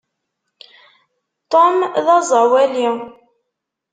Tom d aẓawali.